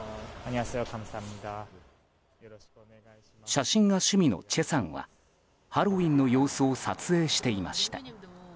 写真が趣味のチェさんはハロウィーンの様子を撮影していました。